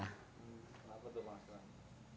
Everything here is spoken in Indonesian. kenapa tuh masker